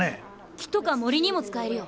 木とか森にも使えるよ。